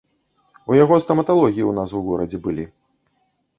У яго стаматалогіі ў нас у горадзе былі.